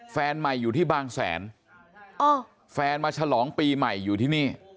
แฟนใหม่อยู่ที่บางแสนแฟนมาฉลองปีใหม่อยู่ที่นี่